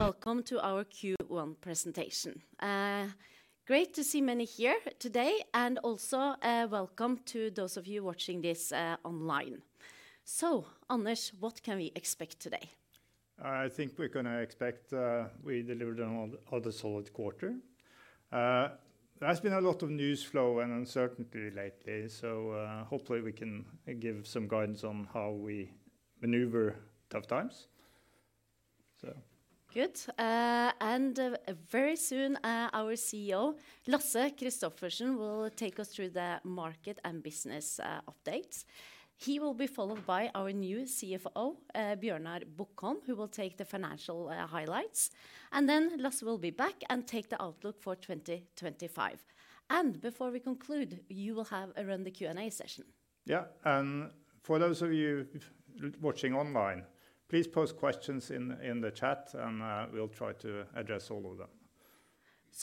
Welcome to our Q1 presentation. Great to see many here today, and also, welcome to those of you watching this online. So, Anders, what can we expect today? I think we're going to expect, we delivered another solid quarter. There has been a lot of news flow and uncertainty lately, so, hopefully we can give some guidance on how we maneuver tough times. Good. Very soon, our CEO, Lasse Kristoffersen, will take us through the market and business updates. He will be followed by our new CFO, Bjørnar Bukholm, who will take the financial highlights. Lasse will be back and take the outlook for 2025. Before we conclude, you will have a run at the Q&A session. Yeah. For those of you watching online, please post questions in the chat, and we'll try to address all of them.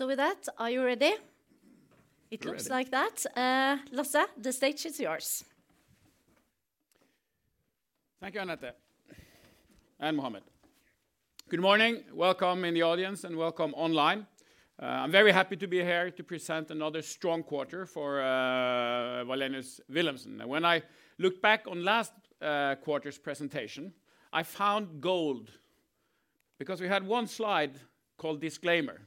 With that, are you ready? It looks like that. Lasse, the stage is yours. Thank you, Anette. and Anders. Good morning. Welcome in the audience and welcome online. I'm very happy to be here to present another strong quarter for Wallenius Wilhelmsen. When I looked back on last quarter's presentation, I found gold because we had one slide called disclaimer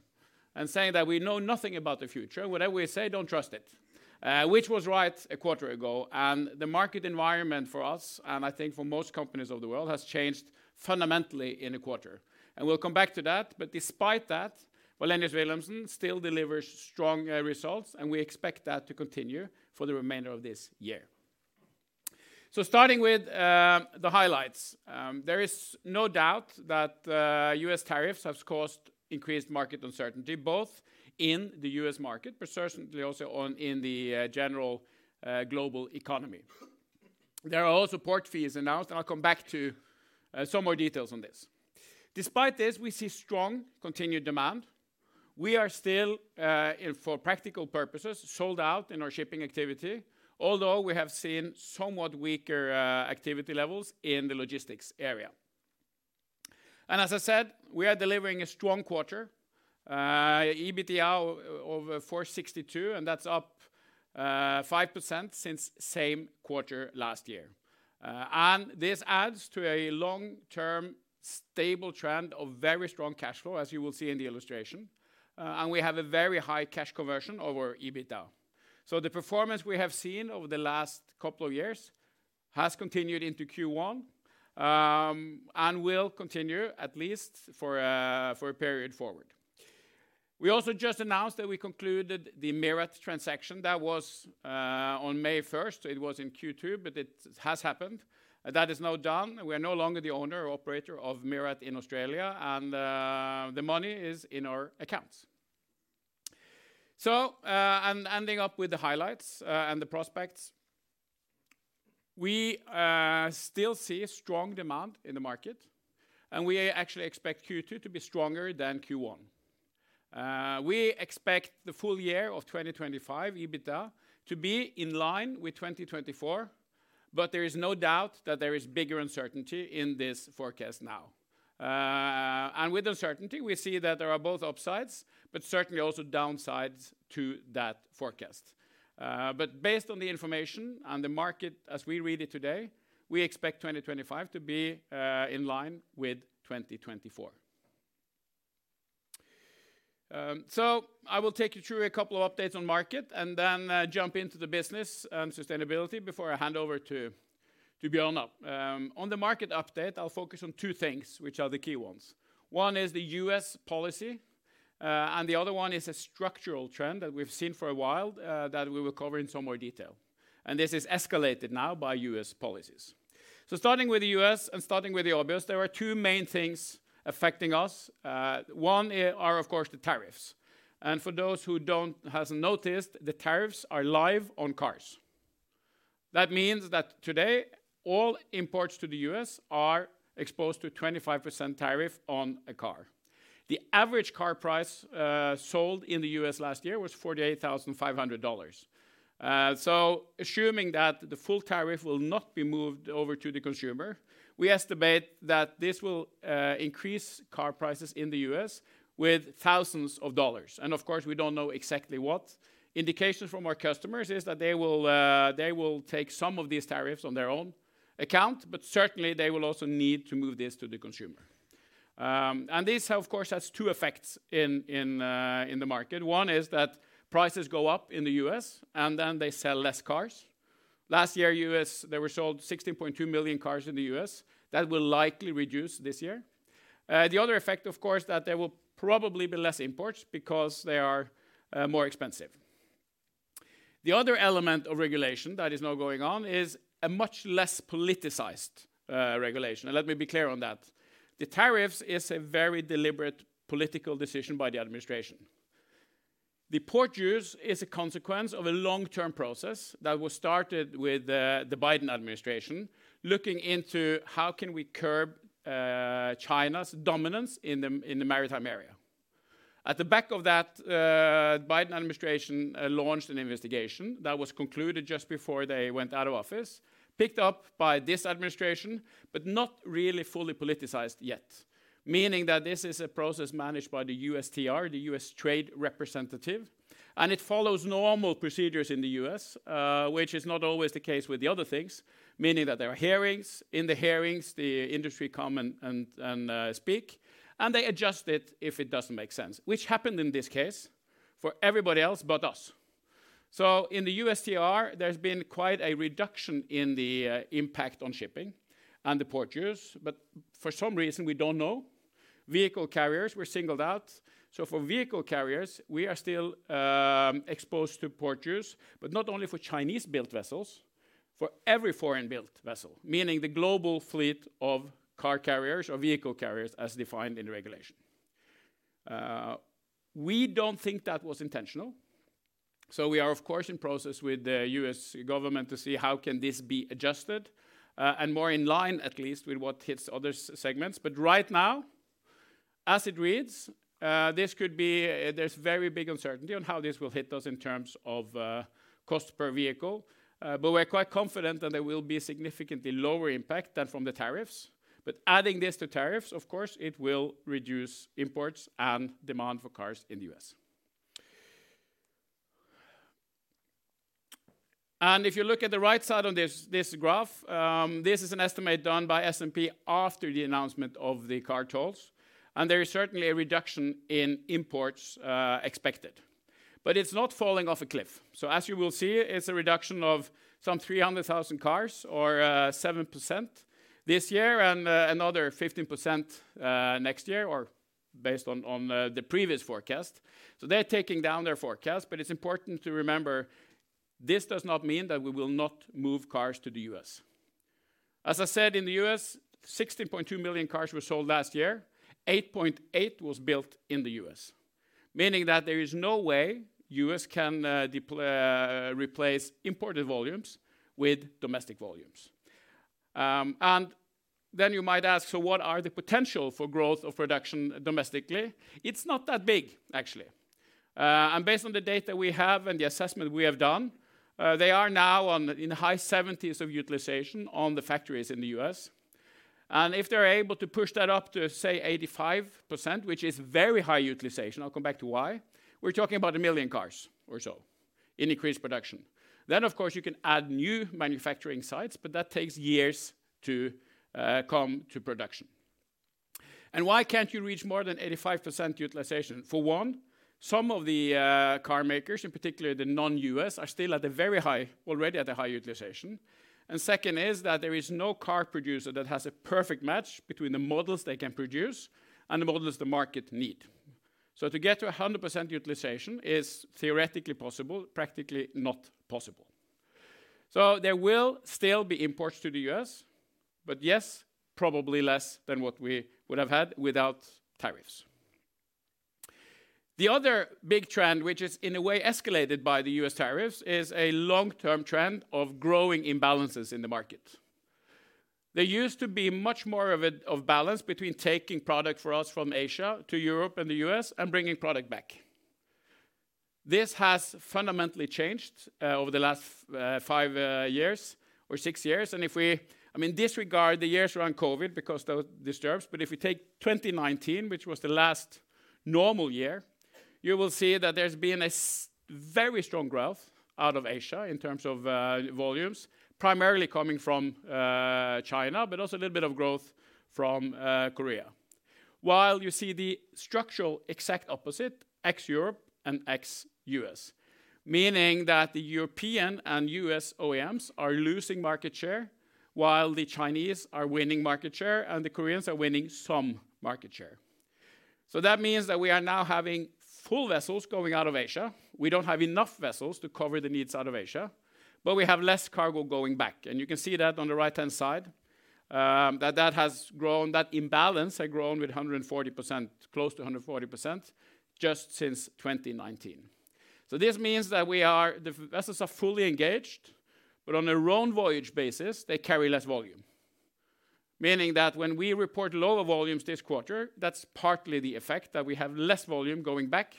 and saying that we know nothing about the future. Whatever we say, don't trust it, which was right a quarter ago. The market environment for us, and I think for most companies of the world, has changed fundamentally in a quarter. We'll come back to that. Despite that, Wallenius Wilhelmsen still delivers strong results, and we expect that to continue for the remainder of this year. Starting with the highlights, there is no doubt that U.S. tariffs have caused increased market uncertainty, both in the U.S. market, but certainly also in the general global economy. There are also port fees announced, and I'll come back to some more details on this. Despite this, we see strong continued demand. We are still, for practical purposes, sold out in our shipping activity, although we have seen somewhat weaker activity levels in the logistics area. As I said, we are delivering a strong quarter, EBITDA over $462 million, and that's up 5% since same quarter last year. This adds to a long-term stable trend of very strong cash flow, as you will see in the illustration. We have a very high cash conversion over EBITDA. The performance we have seen over the last couple of years has continued into Q1, and will continue at least for a period forward. We also just announced that we concluded the MIRAT transaction. That was on May 1, and it was in Q2, but it has happened. That is now done. We are no longer the owner or operator of MIRAT in Australia, and the money is in our accounts. Ending up with the highlights and the prospects, we still see strong demand in the market, and we actually expect Q2 to be stronger than Q1. We expect the full year of 2025 EBITDA to be in line with 2024, but there is no doubt that there is bigger uncertainty in this forecast now. With uncertainty, we see that there are both upsides, but certainly also downsides to that forecast. Based on the information and the market as we read it today, we expect 2025 to be in line with 2024. I will take you through a couple of updates on market and then jump into the business and sustainability before I hand over to Bjørnar. On the market update, I'll focus on two things, which are the key ones. One is the U.S. policy, and the other one is a structural trend that we've seen for a while, that we will cover in some more detail. This is escalated now by U.S. policies. Starting with the U.S. and starting with the obvious, there are two main things affecting us. One are, of course, the tariffs. For those who have not noticed, the tariffs are live on cars. That means that today, all imports to the U.S. are exposed to a 25% tariff on a car. The average car price sold in the U.S. last year was $48,500. Assuming that the full tariff will not be moved over to the consumer, we estimate that this will increase car prices in the U.S. with thousands of dollars. Of course, we don't know exactly what. Indications from our customers is that they will take some of these tariffs on their own account, but certainly they will also need to move this to the consumer. This, of course, has two effects in the market. One is that prices go up in the U.S., and then they sell less cars. Last year, U.S., there were sold 16.2 million cars in the U.S. That will likely reduce this year. The other effect, of course, that there will probably be less imports because they are more expensive. The other element of regulation that is now going on is a much less politicized regulation. Let me be clear on that. The tariffs is a very deliberate political decision by the administration. The port use is a consequence of a long-term process that was started with the Biden administration looking into how can we curb China's dominance in the maritime area. At the back of that, the Biden administration launched an investigation that was concluded just before they went out of office, picked up by this administration, but not really fully politicized yet, meaning that this is a process managed by the USTR, the U.S. Trade Representative, and it follows normal procedures in the U.S., which is not always the case with the other things, meaning that there are hearings. In the hearings, the industry come and speak, and they adjust it if it does not make sense, which happened in this case for everybody else but us. In the USTR, there's been quite a reduction in the impact on shipping and the port use, but for some reason, we don't know, vehicle carriers were singled out. For vehicle carriers, we are still exposed to port use, but not only for Chinese-built vessels, for every foreign-built vessel, meaning the global fleet of car carriers or vehicle carriers as defined in regulation. We don't think that was intentional. We are, of course, in process with the U.S. government to see how can this be adjusted, and more in line at least with what hits other segments. Right now, as it reads, this could be, there's very big uncertainty on how this will hit us in terms of cost per vehicle. We're quite confident that there will be significantly lower impact than from the tariffs. Adding this to tariffs, of course, it will reduce imports and demand for cars in the U.S. If you look at the right side of this graph, this is an estimate done by S&P after the announcement of the car tolls. There is certainly a reduction in imports expected, but it is not falling off a cliff. As you will see, it is a reduction of some 300,000 cars, or 7% this year, and another 15% next year, based on the previous forecast. They are taking down their forecast, but it is important to remember this does not mean that we will not move cars to the U.S. As I said, in the U.S., 16.2 million cars were sold last year. 8.8 million was built in the U.S., meaning that there is no way the U.S. can replace imported volumes with domestic volumes. and then you might ask, so what are the potential for growth of production domestically? It's not that big, actually. and based on the data we have and the assessment we have done, they are now on in the high 70s of utilization on the factories in the U.S. If they're able to push that up to, say, 85%, which is very high utilization, I'll come back to why, we're talking about a million cars or so in increased production. Of course, you can add new manufacturing sites, but that takes years to come to production. Why can't you reach more than 85% utilization? For one, some of the car makers, in particular the non-U.S., are still at a very high, already at a high utilization. Second is that there is no car producer that has a perfect match between the models they can produce and the models the market need. To get to 100% utilization is theoretically possible, practically not possible. There will still be imports to the U.S., but yes, probably less than what we would have had without tariffs. The other big trend, which is in a way escalated by the U.S. tariffs, is a long-term trend of growing imbalances in the market. There used to be much more of a balance between taking product for us from Asia to Europe and the U.S. and bringing product back. This has fundamentally changed over the last five years or six years. If we, I mean, disregard the years around COVID because those disturb, but if you take 2019, which was the last normal year, you will see that there has been a very strong growth out of Asia in terms of volumes, primarily coming from China, but also a little bit of growth from Korea, while you see the structural exact opposite, ex-Europe and ex-U.S., meaning that the European and U.S. OEMs are losing market share while the Chinese are winning market share and the Koreans are winning some market share. That means that we are now having full vessels going out of Asia. We do not have enough vessels to cover the needs out of Asia, but we have less cargo going back. You can see that on the right-hand side, that that has grown, that imbalance has grown with 140%, close to 140% just since 2019. This means that we are, the vessels are fully engaged, but on a round voyage basis, they carry less volume, meaning that when we report lower volumes this quarter, that's partly the effect that we have less volume going back,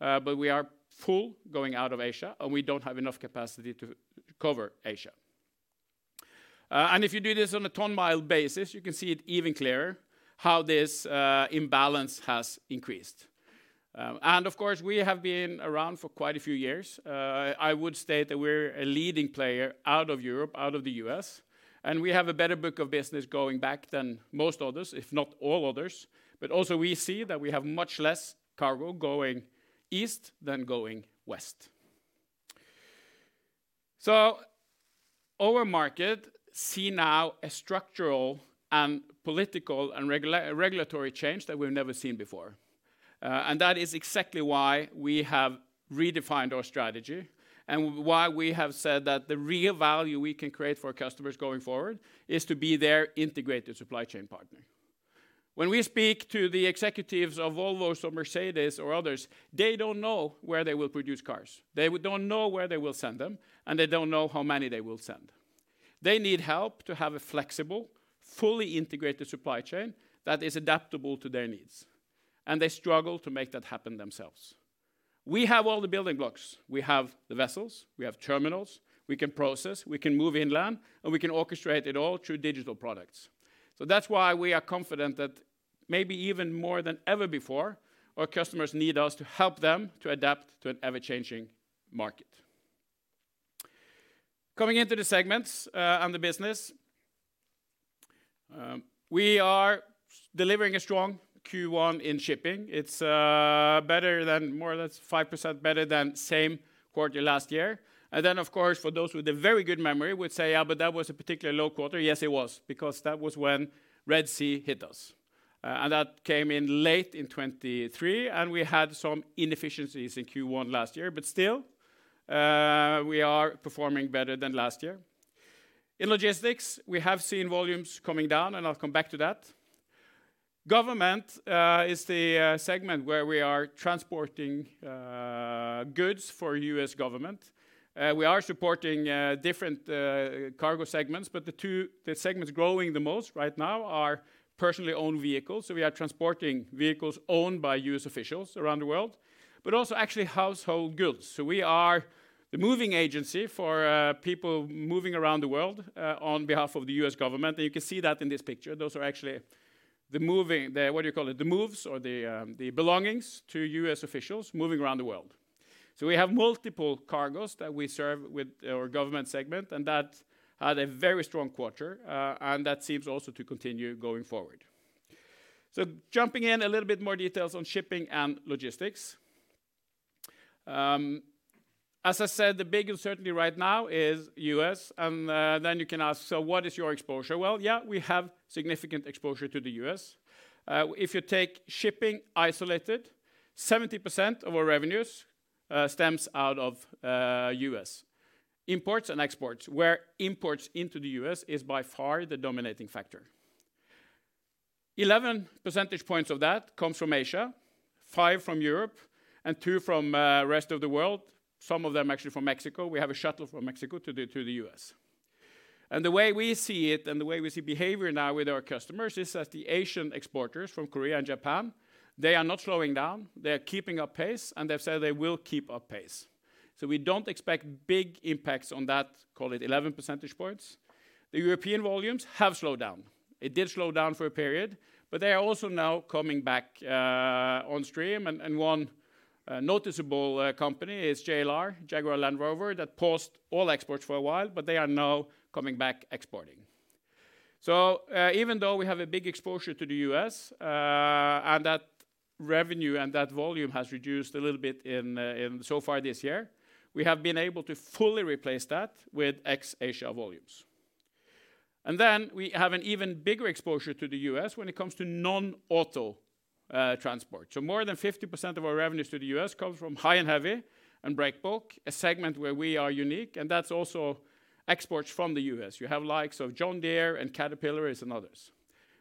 but we are full going out of Asia and we do not have enough capacity to cover Asia. If you do this on a ton mile basis, you can see it even clearer how this imbalance has increased. Of course, we have been around for quite a few years. I would state that we are a leading player out of Europe, out of the U.S., and we have a better book of business going back than most others, if not all others. Also, we see that we have much less cargo going east than going west. Our market sees now a structural and political and regulatory change that we've never seen before. That is exactly why we have redefined our strategy and why we have said that the real value we can create for customers going forward is to be their integrated supply chain partner. When we speak to the executives of Volvo or Mercedes or others, they don't know where they will produce cars. They don't know where they will send them, and they don't know how many they will send. They need help to have a flexible, fully integrated supply chain that is adaptable to their needs. They struggle to make that happen themselves. We have all the building blocks. We have the vessels, we have terminals, we can process, we can move inland, and we can orchestrate it all through digital products. That's why we are confident that maybe even more than ever before, our customers need us to help them to adapt to an ever-changing market. Coming into the segments and the business, we are delivering a strong Q1 in shipping. It's better, more or less 5% better than same quarter last year. Of course, for those with a very good memory, you'd say, yeah, but that was a particularly low quarter. Yes, it was, because that was when Red Sea hit us, and that came in late in 2023, and we had some inefficiencies in Q1 last year, but still, we are performing better than last year. In logistics, we have seen volumes coming down, and I'll come back to that. Government is the segment where we are transporting goods for U.S. government. We are supporting different cargo segments, but the two segments growing the most right now are personally owned vehicles. We are transporting vehicles owned by U.S. officials around the world, but also actually household goods. We are the moving agency for people moving around the world on behalf of the U.S. government. You can see that in this picture. Those are actually the moving, the, what do you call it, the moves or the belongings to U.S. officials moving around the world. We have multiple cargos that we serve with our government segment, and that had a very strong quarter, and that seems also to continue going forward. Jumping in a little bit more details on shipping and logistics. As I said, the big uncertainty right now is U.S. You can ask, what is your exposure? Yeah, we have significant exposure to the U.S. If you take shipping isolated, 70% of our revenues stems out of U.S. imports and exports, where imports into the U.S. is by far the dominating factor. 11 percentage points of that comes from Asia, five from Europe, and two from the rest of the world, some of them actually from Mexico. We have a shuttle from Mexico to the U.S. The way we see it and the way we see behavior now with our customers is that the Asian exporters from Korea and Japan, they are not slowing down. They are keeping up pace, and they've said they will keep up pace. We do not expect big impacts on that, call it 11 percentage points. The European volumes have slowed down. It did slow down for a period, but they are also now coming back on stream. One noticeable company is JLR, Jaguar Land Rover, that paused all exports for a while, but they are now coming back exporting. Even though we have a big exposure to the U.S., and that revenue and that volume has reduced a little bit so far this year, we have been able to fully replace that with ex-Asia volumes. We have an even bigger exposure to the U.S. when it comes to non-auto transport. More than 50% of our revenues to the U.S. comes from high and heavy and break bulk, a segment where we are unique, and that is also exports from the U.S. You have the likes of John Deere and Caterpillar and others,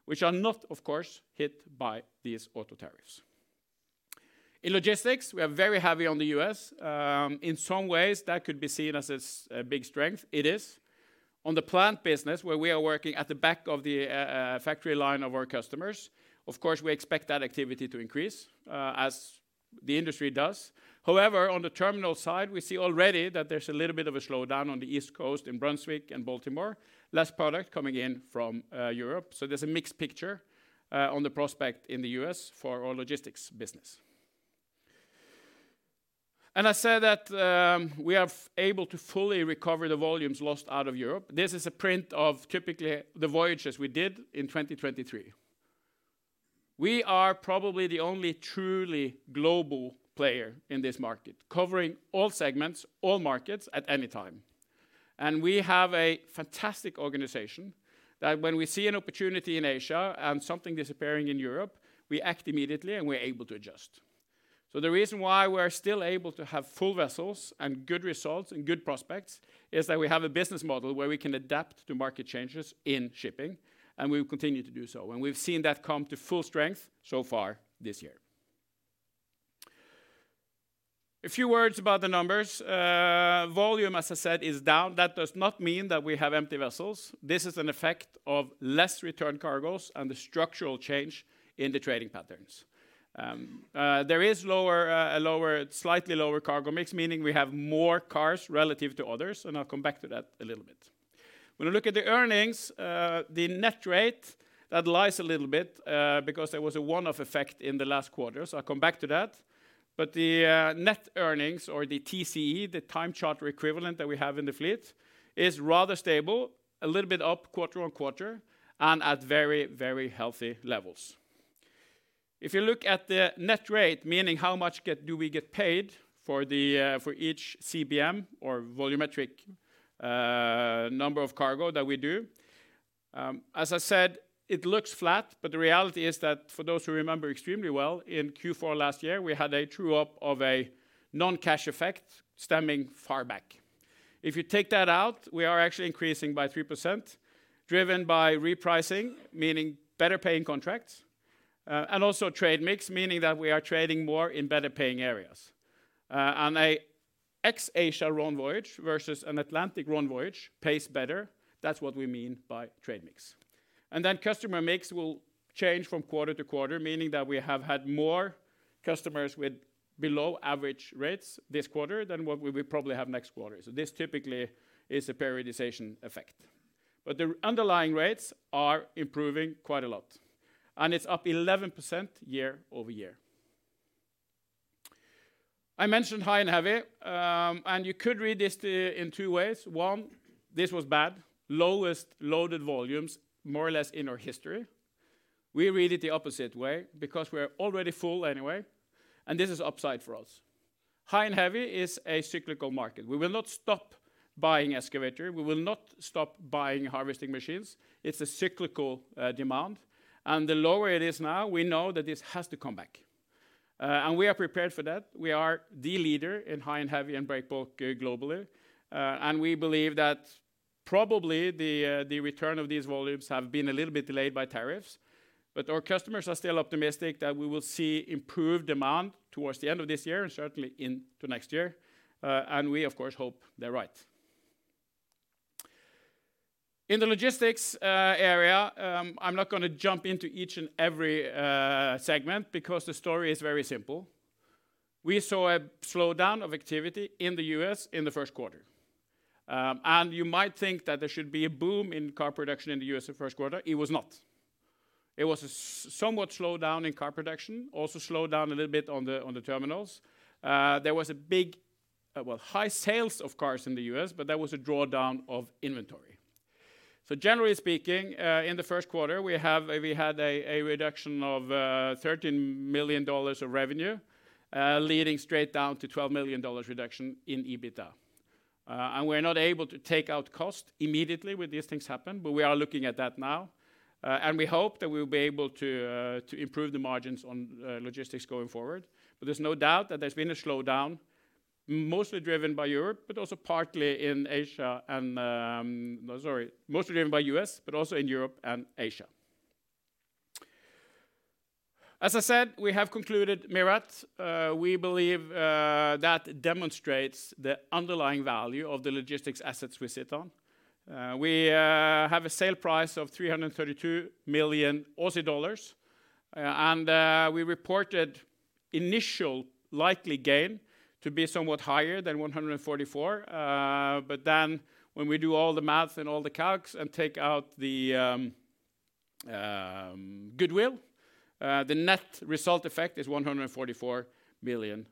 which are not, of course, hit by these auto tariffs. In logistics, we are very heavy on the U.S. In some ways, that could be seen as a big strength. It is on the plant business where we are working at the back of the factory line of our customers. Of course, we expect that activity to increase, as the industry does. However, on the terminal side, we see already that there's a little bit of a slowdown on the East Coast in Brunswick and Baltimore, less product coming in from Europe. There is a mixed picture on the prospect in the U.S. for our logistics business. I said that we are able to fully recover the volumes lost out of Europe. This is a print of typically the voyages we did in 2023. We are probably the only truly global player in this market, covering all segments, all markets at any time. We have a fantastic organization that when we see an opportunity in Asia and something disappearing in Europe, we act immediately and we're able to adjust. The reason why we are still able to have full vessels and good results and good prospects is that we have a business model where we can adapt to market changes in shipping, and we will continue to do so. We've seen that come to full strength so far this year. A few words about the numbers. Volume, as I said, is down. That does not mean that we have empty vessels. This is an effect of less returned cargos and the structural change in the trading patterns. There is a lower, slightly lower cargo mix, meaning we have more cars relative to others. I'll come back to that a little bit. When I look at the earnings, the net rate that lies a little bit, because there was a one-off effect in the last quarter. I will come back to that. The net earnings or the TCE, the time charter equivalent that we have in the fleet, is rather stable, a little bit up quarter on quarter and at very, very healthy levels. If you look at the net rate, meaning how much do we get paid for each CBM or volumetric number of cargo that we do. As I said, it looks flat, but the reality is that for those who remember extremely well, in Q4 last year, we had a true-up of a non-cash effect stemming far back. If you take that out, we are actually increasing by 3%, driven by repricing, meaning better paying contracts, and also trade mix, meaning that we are trading more in better paying areas. An ex-Asia round voyage versus an Atlantic round voyage pays better. That is what we mean by trade mix. Then customer mix will change from quarter to quarter, meaning that we have had more customers with below average rates this quarter than what we will probably have next quarter. This typically is a periodization effect. The underlying rates are improving quite a lot, and it is up 11% year-over-year. I mentioned high and heavy, and you could read this in two ways. One, this was bad, lowest loaded volumes, more or less in our history. We read it the opposite way because we are already full anyway, and this is upside for us. High and heavy is a cyclical market. We will not stop buying excavator. We will not stop buying harvesting machines. It's a cyclical, demand. The lower it is now, we know that this has to come back. We are prepared for that. We are the leader in high and heavy and break bulk globally. We believe that probably the return of these volumes has been a little bit delayed by tariffs, but our customers are still optimistic that we will see improved demand towards the end of this year and certainly into next year. We, of course, hope they're right. In the logistics area, I'm not going to jump into each and every segment because the story is very simple. We saw a slowdown of activity in the U.S. in the first quarter. You might think that there should be a boom in car production in the U.S. in the first quarter. It was not. It was a somewhat slowdown in car production, also slowed down a little bit on the terminals. There was a big, well, high sales of cars in the U.S., but there was a drawdown of inventory. Generally speaking, in the first quarter, we had a reduction of $13 million of revenue, leading straight down to $12 million reduction in EBITDA. We are not able to take out cost immediately when these things happen, but we are looking at that now. We hope that we will be able to improve the margins on logistics going forward. There's no doubt that there's been a slowdown, mostly driven by the U.S., but also in Europe and Asia. As I said, we have concluded MIRAT. We believe that demonstrates the underlying value of the logistics assets we sit on. We have a sale price of 332 million Aussie dollars, and we reported initial likely gain to be somewhat higher than $144 million. But then when we do all the math and all the calcs and take out the goodwill, the net result effect is $144 million.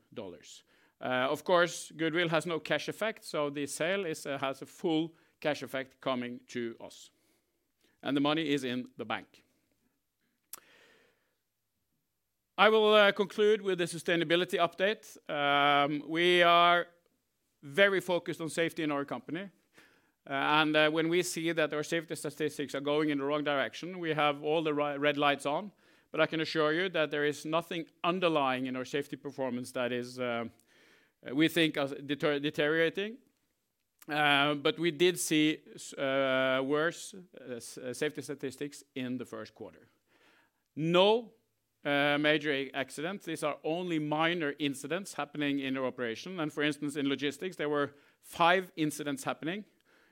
Of course, goodwill has no cash effect, so the sale has a full cash effect coming to us, and the money is in the bank. I will conclude with the sustainability update. We are very focused on safety in our company. When we see that our safety statistics are going in the wrong direction, we have all the red lights on. I can assure you that there is nothing underlying in our safety performance that is, we think is deteriorating. We did see worse safety statistics in the first quarter. No major accidents. These are only minor incidents happening in our operation. For instance, in logistics, there were five incidents happening.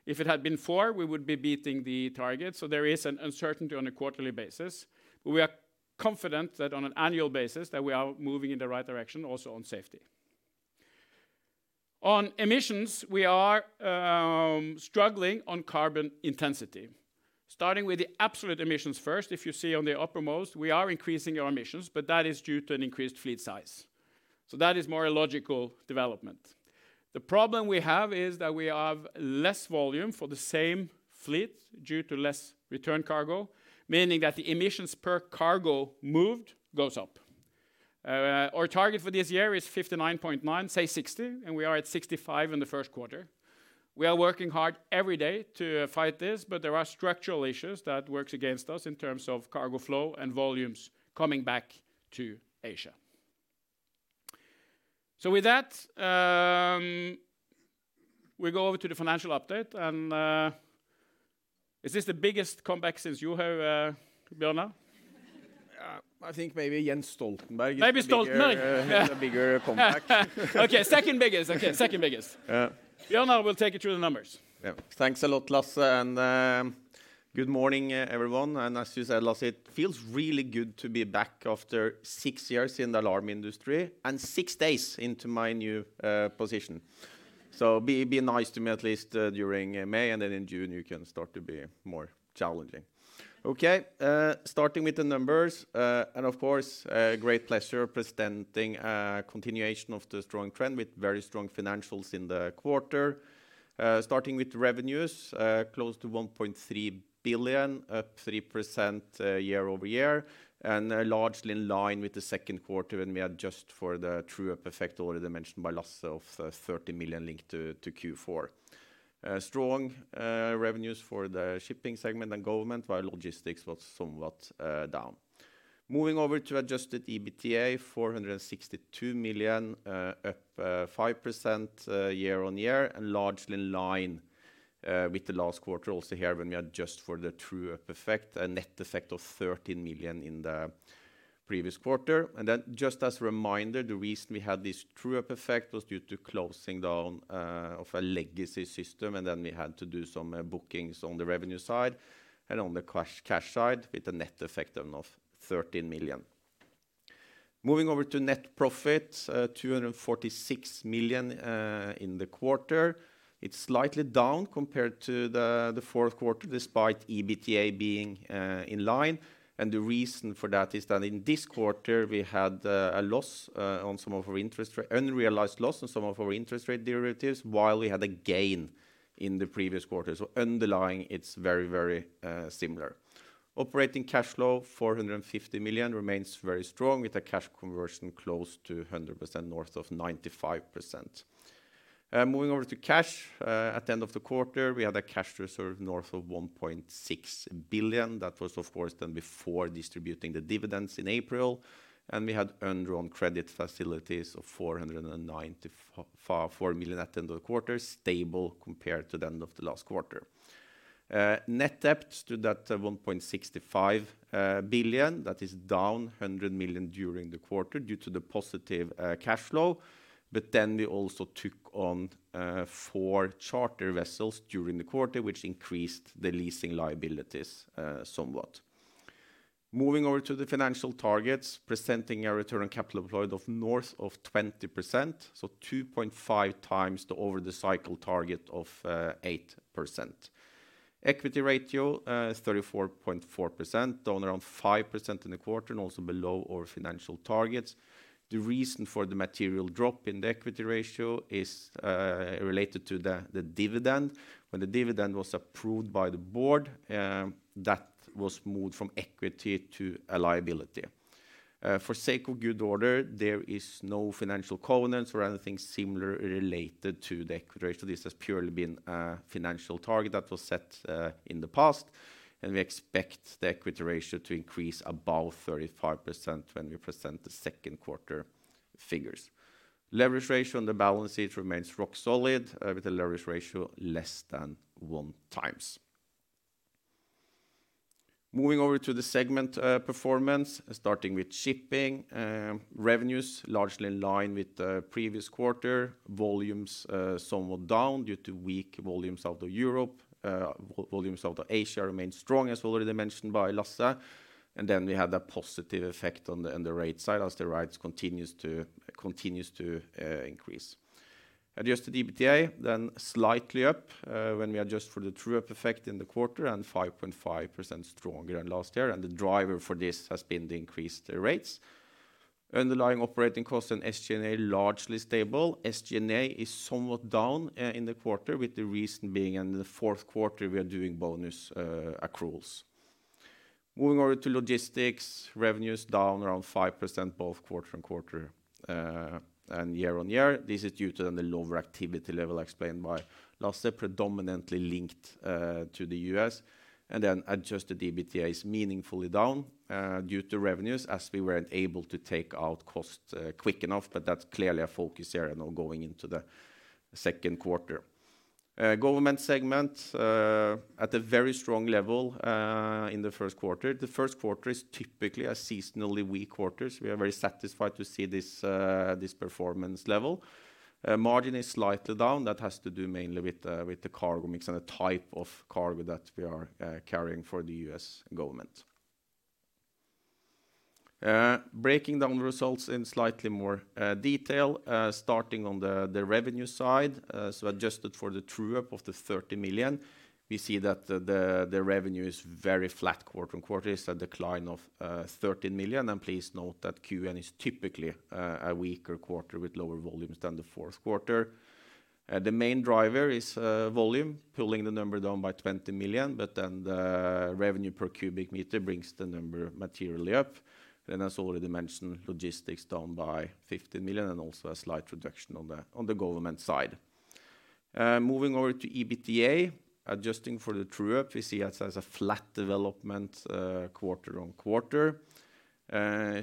If it had been four, we would be beating the target. There is an uncertainty on a quarterly basis. We are confident that on an annual basis, we are moving in the right direction, also on safety. On emissions, we are struggling on carbon intensity, starting with the absolute emissions first. If you see on the uppermost, we are increasing our emissions, but that is due to an increased fleet size. That is more a logical development. The problem we have is that we have less volume for the same fleet due to less returned cargo, meaning that the emissions per cargo moved goes up. Our target for this year is 59.9, say 60, and we are at 65 in the first quarter. We are working hard every day to fight this, but there are structural issues that work against us in terms of cargo flow and volumes coming back to Asia. With that, we go over to the financial update. Is this the biggest comeback since you have, Bjørnar? I think maybe Jens Stoltenberg. Maybe Stoltenberg. A bigger comeback. Okay. Second biggest. Okay. Second biggest. Yeah. Bjørnar will take it through the numbers. Yeah. Thanks a lot, Lasse. Good morning, everyone. As you said, Lasse, it feels really good to be back after six years in the alarm industry and six days into my new position. Be nice to me at least during May, and then in June you can start to be more challenging. Okay. Starting with the numbers, and of course, great pleasure presenting a continuation of the strong trend with very strong financials in the quarter. Starting with revenues, close to $1.3 billion, up 3% year-over-year, and largely in line with the second quarter when we adjust for the true up effect already mentioned by Lasse of $30 million linked to Q4. Strong revenues for the shipping segment and government, while logistics was somewhat down. Moving over to adjusted EBITDA, $462 million, up 5% year on year, and largely in line with the last quarter. Also here, when we adjust for the true up effect, a net effect of $13 million in the previous quarter. Just as a reminder, the reason we had this true up effect was due to closing down a legacy system, and then we had to do some bookings on the revenue side and on the cash side with a net effect of $13 million. Moving over to net profit, $246 million in the quarter. It's slightly down compared to the fourth quarter despite EBITDA being in line. The reason for that is that in this quarter we had a loss on some of our interest rate, unrealized loss on some of our interest rate derivatives, while we had a gain in the previous quarter. Underlying, it's very, very similar. Operating cash flow, $450 million, remains very strong with a cash conversion close to 100%, north of 95%. Moving over to cash, at the end of the quarter, we had a cash reserve north of $1.6 billion. That was, of course, done before distributing the dividends in April. We had undrawn credit facilities of $494 million at the end of the quarter, stable compared to the end of the last quarter. Net debt stood at $1.65 billion. That is down $100 million during the quarter due to the positive cash flow. We also took on four charter vessels during the quarter, which increased the leasing liabilities somewhat. Moving over to the financial targets, presenting a return on capital employed of north of 20%, so 2.5 times the over-the-cycle target of 8%. Equity ratio is 34.4%, down around 5% in the quarter and also below our financial targets. The reason for the material drop in the equity ratio is related to the dividend. When the dividend was approved by the board, that was moved from equity to a liability. For sake of good order, there is no financial covenants or anything similar related to the equity ratio. This has purely been a financial target that was set in the past. We expect the equity ratio to increase above 35% when we present the second quarter figures. Leverage ratio on the balance sheet remains rock solid, with a leverage ratio less than one times. Moving over to the segment performance, starting with shipping, revenues largely in line with the previous quarter. Volumes somewhat down due to weak volumes out of Europe. Volumes out of Asia remain strong, as already mentioned by Lasse. We had a positive effect on the rate side as the rates continue to increase. Adjusted EBITDA then slightly up, when we adjust for the true up effect in the quarter and 5.5% stronger than last year. The driver for this has been the increased rates. Underlying operating costs and SG&A largely stable. SG&A is somewhat down in the quarter with the reason being in the fourth quarter we are doing bonus accruals. Moving over to logistics, revenues down around 5% both quarter on quarter and year on year. This is due to the lower activity level explained by Lasse, predominantly linked to the U.S. Adjusted EBITDA is meaningfully down due to revenues as we were not able to take out cost quick enough. That's clearly a focus area now going into the second quarter. Government segment, at a very strong level, in the first quarter. The first quarter is typically a seasonally weak quarter. We are very satisfied to see this, this performance level. Margin is slightly down. That has to do mainly with the cargo mix and the type of cargo that we are carrying for the U.S. government. Breaking down the results in slightly more detail, starting on the revenue side, so adjusted for the true up of the $30 million. We see that the revenue is very flat quarter on quarter. It's a decline of $13 million. Please note that Q1 is typically a weaker quarter with lower volumes than the fourth quarter. The main driver is volume pulling the number down by $20 million. The revenue per cubic meter brings the number materially up. As already mentioned, logistics down by $15 million and also a slight reduction on the government side. Moving over to EBITDA, adjusting for the true up, we see that as a flat development, quarter on quarter.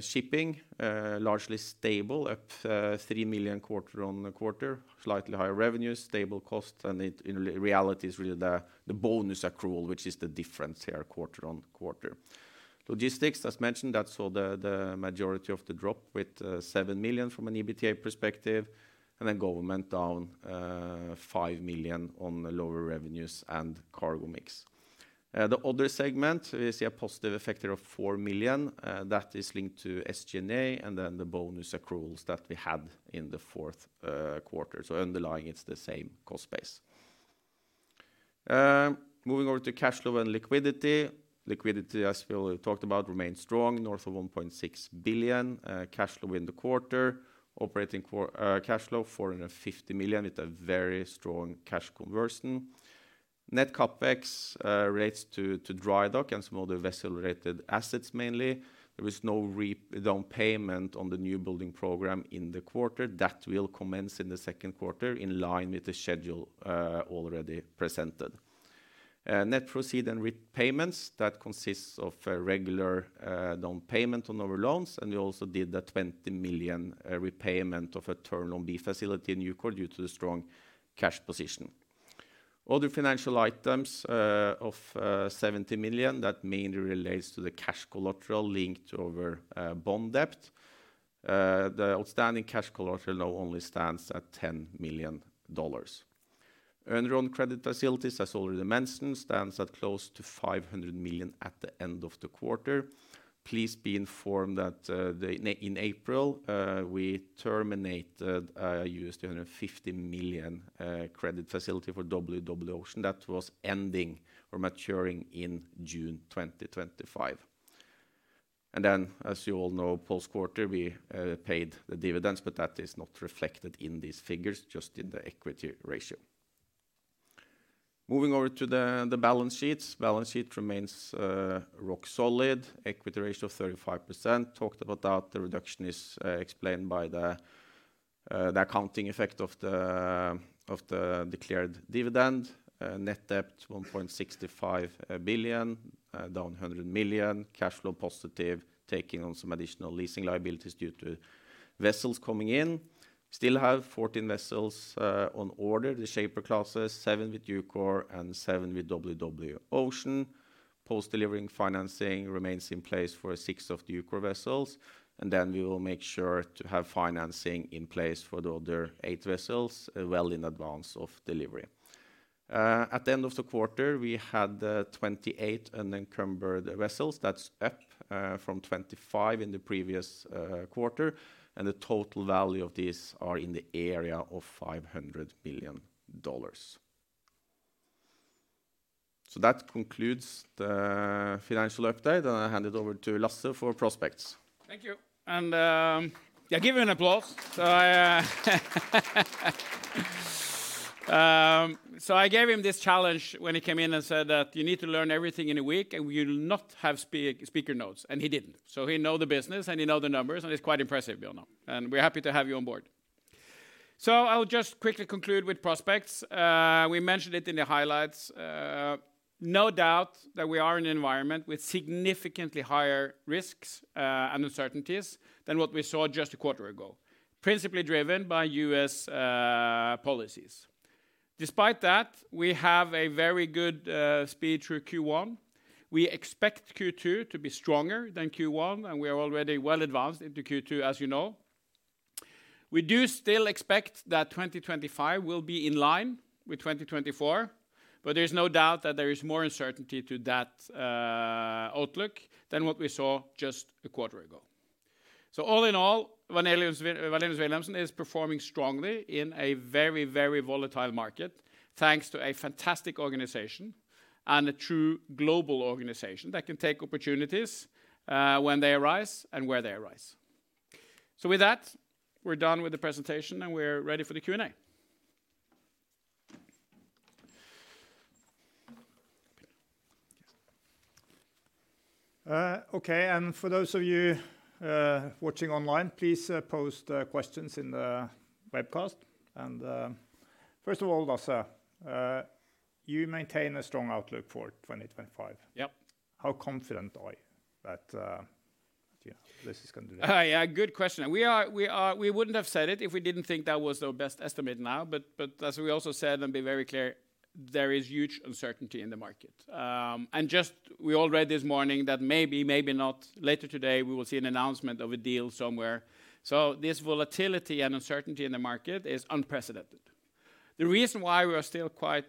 Shipping, largely stable, up $3 million quarter on quarter, slightly higher revenue, stable costs. It in reality is really the bonus accrual, which is the difference here quarter on quarter. Logistics, as mentioned, that saw the majority of the drop with $7 million from an EBITDA perspective. Government down $5 million on lower revenues and cargo mix. The other segment, we see a positive effect here of $4 million. That is linked to SG&A and then the bonus accruals that we had in the fourth quarter. Underlying, it's the same cost base. Moving over to cash flow and liquidity. Liquidity, as we talked about, remains strong north of $1.6 billion. Cash flow in the quarter, operating cash flow $450 million with a very strong cash conversion. Net CapEx relates to dry dock and some other vessel-related assets mainly. There is no repayment on the new building program in the quarter. That will commence in the second quarter in line with the schedule already presented. Net proceed and repayments, that consist of a regular down payment on our loans. We also did the $20 million repayment of a term loan B facility in Eucor due to the strong cash position. Other financial items of $70 million, that mainly relates to the cash collateral linked to our bond debt. The outstanding cash collateral now only stands at $10 million. Earned on credit facilities, as already mentioned, stands at close to $500 million at the end of the quarter. Please be informed that, in April, we terminated, used $250 million, credit facility for WW Ocean that was ending or maturing in June 2025. As you all know, post-quarter, we paid the dividends, but that is not reflected in these figures, just in the equity ratio. Moving over to the balance sheets. Balance sheet remains rock solid. Equity ratio of 35%. Talked about that. The reduction is explained by the accounting effect of the declared dividend. Net debt $1.65 billion, down $100 million. Cash flow positive, taking on some additional leasing liabilities due to vessels coming in. Still have 14 vessels on order. The shaper classes, seven with Eucor and seven with WW Ocean. Post-delivering financing remains in place for six of the Eucor vessels. And then we will make sure to have financing in place for the other eight vessels well in advance of delivery. At the end of the quarter, we had 28 unencumbered vessels. That's up from 25 in the previous quarter. And the total value of these are in the area of $500 million. That concludes the financial update. I hand it over to Lasse for prospects. Thank you. Yeah, give him an applause. I gave him this challenge when he came in and said that you need to learn everything in a week and you'll not have speaker notes. He didn't. He knows the business and he knows the numbers. It's quite impressive, Bjørnar. We're happy to have you on board. I'll just quickly conclude with prospects. We mentioned it in the highlights. No doubt that we are in an environment with significantly higher risks and uncertainties than what we saw just a quarter ago, principally driven by U.S. policies. Despite that, we have a very good speed through Q1. We expect Q2 to be stronger than Q1, and we are already well advanced into Q2, as you know. We do still expect that 2025 will be in line with 2024, but there's no doubt that there is more uncertainty to that outlook than what we saw just a quarter ago. All in all, Wallenius Wilhelmsen is performing strongly in a very, very volatile market, thanks to a fantastic organization and a true global organization that can take opportunities when they arise and where they arise. With that, we're done with the presentation and we're ready for the Q&A. Okay. For those of you watching online, please post questions in the webcast. First of all, Lasse, you maintain a strong outlook for 2025. Yep. How confident are you that, you know, this is going to be? Yeah, good question. We are, we are, we would not have said it if we did not think that was our best estimate now. As we also said, and to be very clear, there is huge uncertainty in the market. We all read this morning that maybe, maybe not later today, we will see an announcement of a deal somewhere. This volatility and uncertainty in the market is unprecedented. The reason why we are still quite,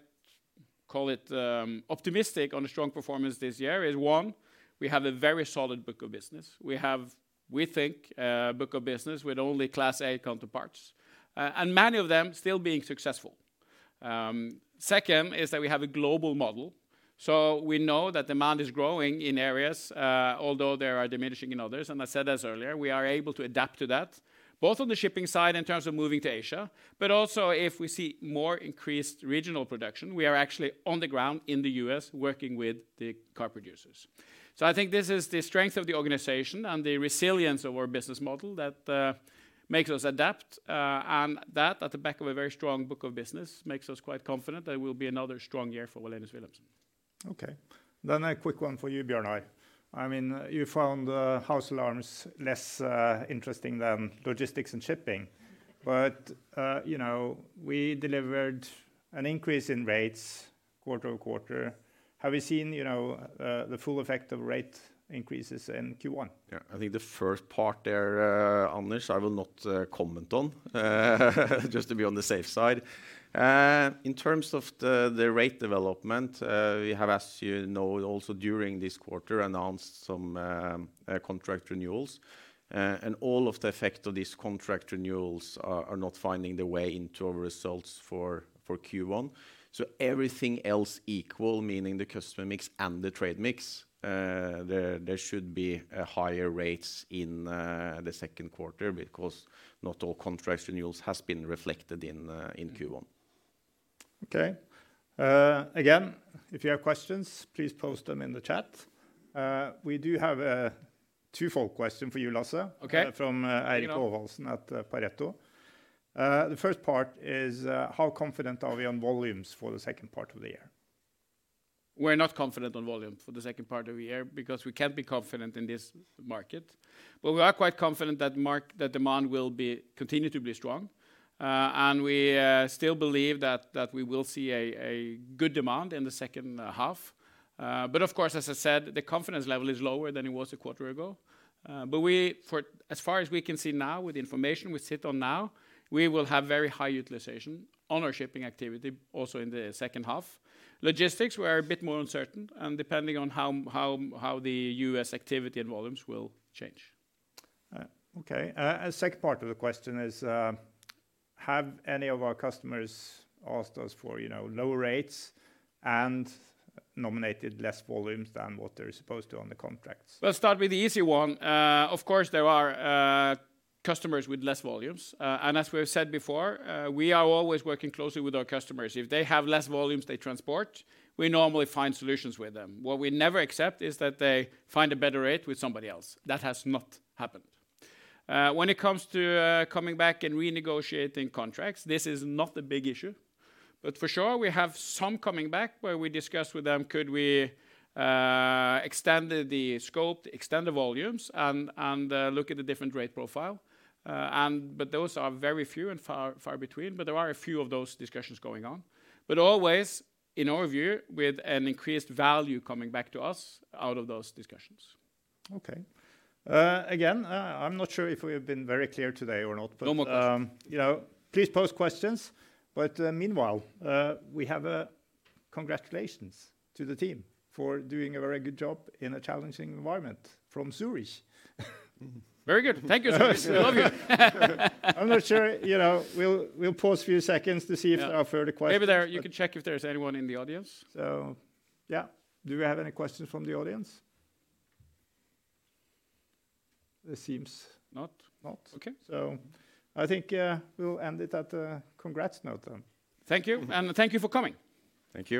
call it, optimistic on a strong performance this year is one, we have a very solid book of business. We have, we think, a book of business with only class A counterparts, and many of them still being successful. Second is that we have a global model. We know that demand is growing in areas, although they are diminishing in others. I said this earlier, we are able to adapt to that, both on the shipping side in terms of moving to Asia, but also if we see more increased regional production, we are actually on the ground in the U.S. working with the car producers. I think this is the strength of the organization and the resilience of our business model that makes us adapt, and that at the back of a very strong book of business makes us quite confident that it will be another strong year for Wallenius Wilhelmsen. Okay. Then a quick one for you, Bjørnar. I mean, you found house alarms less interesting than logistics and shipping. But, you know, we delivered an increase in rates quarter over quarter. Have we seen, you know, the full effect of rate increases in Q1? Yeah, I think the first part there, Anders, I will not comment on, just to be on the safe side. In terms of the rate development, we have, as you know, also during this quarter announced some contract renewals. And all of the effect of these contract renewals are not finding their way into our results for Q1. So everything else equal, meaning the customer mix and the trade mix, there should be higher rates in the second quarter because not all contract renewals have been reflected in Q1. Okay. Again, if you have questions, please post them in the chat. We do have a twofold question for you, Lasse. Okay. From Eirik Ovalsen at Pareto. The first part is, how confident are we on volumes for the second part of the year? We're not confident on volume for the second part of the year because we can't be confident in this market. We are quite confident that demand will continue to be strong. We still believe that we will see a good demand in the second half. Of course, as I said, the confidence level is lower than it was a quarter ago. For as far as we can see now with the information we sit on now, we will have very high utilization on our shipping activity also in the second half. Logistics, we are a bit more uncertain and depending on how the U.S. Activity and volumes will change. Okay. A second part of the question is, have any of our customers asked us for, you know, lower rates and nominated less volumes than what they're supposed to on the contracts? Let's start with the easy one. Of course, there are customers with less volumes. And as we've said before, we are always working closely with our customers. If they have less volumes they transport, we normally find solutions with them. What we never accept is that they find a better rate with somebody else. That has not happened. When it comes to coming back and renegotiating contracts, this is not a big issue. For sure, we have some coming back where we discuss with them, could we extend the scope, extend the volumes and, and, look at the different rate profile. Those are very few and far, far between. There are a few of those discussions going on. Always in our view, with an increased value coming back to us out of those discussions. Okay. Again, I'm not sure if we have been very clear today or not, but, you know, please post questions. Meanwhile, we have a congratulations to the team for doing a very good job in a challenging environment from Zurich. Very good. Thank you so much. I love you. I'm not sure, you know, we'll pause a few seconds to see if there are further questions. Maybe you can check if there's anyone in the audience. Yeah. Do we have any questions from the audience? It seems not. Okay. I think we'll end it at a congrats note then. Thank you. Thank you for coming. Thank you.